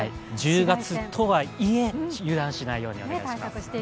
１０月とはいえ、油断しないようにお願いします。